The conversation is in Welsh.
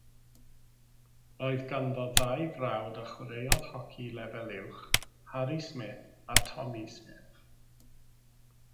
Roedd ganddo ddau frawd a chwaraeodd hoci lefel uwch - Harry Smith a Tommy Smith.